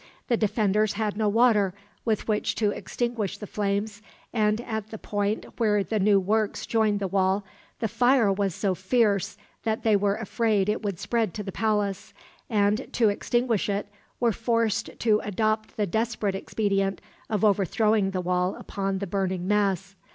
The defenders had no water with which to extinguish the flames and, at the point where the new works joined the wall, the fire was so fierce that they were afraid it would spread to the palace; and, to extinguish it, were forced to adopt the desperate expedient of overthrowing the wall upon the burning mass.